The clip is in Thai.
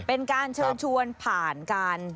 เป็นการเชิญชวนผ่านการ